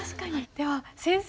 では先生